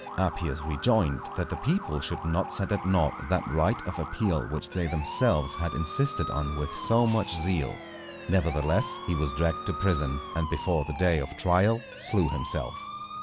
Appius rejoined, that the people should not set at nought that right of appeal which they themselves had insisted on with so much zeal. Nevertheless, he was dragged to prison, and before the day of trial slew himself.